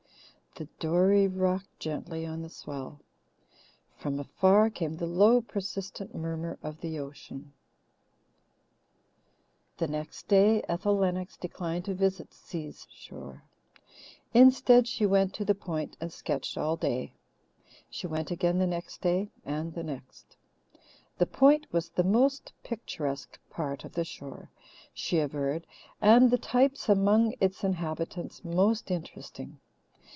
The dory rocked gently on the swell. From afar came the low persistent murmur of the ocean. The next day Ethel Lennox declined to visit Si's shore. Instead she went to the Point and sketched all day. She went again the next day and the next. The Point was the most picturesque part of the shore, she averred, and the "types" among its inhabitants most interesting.